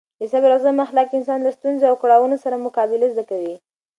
د صبر او زغم اخلاق انسان له ستونزو او کړاوونو سره مقابله زده کوي.